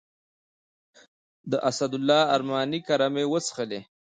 د اسدالله ارماني کره مې وڅښلې.